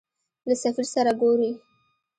له سفیر سره ګورې.